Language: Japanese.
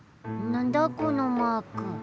なんだこのマーク。